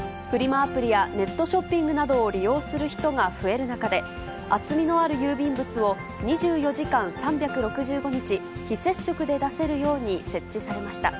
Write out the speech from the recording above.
アプリやネットショッピングなどを利用する人が増える中で、厚みのある郵便物を２４時間３６５日、非接触で出せるように設置されました。